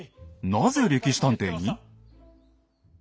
なぜ「歴史探偵」に？